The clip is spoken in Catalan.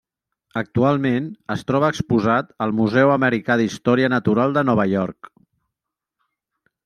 Actualment, es troba exposat al Museu Americà d'Història Natural de Nova York.